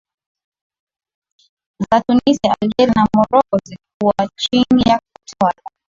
za Tunisia Algeria na Moroko zilikuwa chini ya utawala